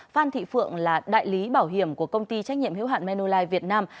phan thị phượng là đại lý bảo hiểm của công ty trách nhiệm hiếu hạn menulai việt nam